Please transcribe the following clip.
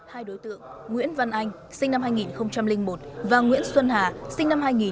hai đối tượng nguyễn văn anh sinh năm hai nghìn một và nguyễn xuân hà sinh năm hai nghìn